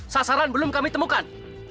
sasaran belum kami temukan